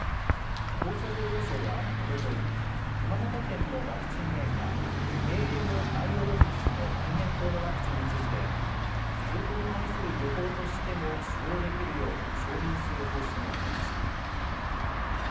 厚生労働省はおととい、熊本県のワクチンメーカー、ＫＭバイオロジクスの天然痘のワクチンについて、サル痘に対する予防としても使用できるよう承認する方針を決めました。